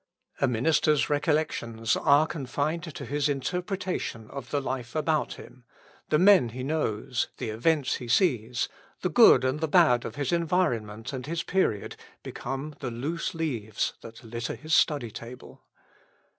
A minister's recollections are confined to his interpretation of the life about him; the men he knows, the events he sees, the good and the bad of his environment and his period become the loose leaves that litter his study table.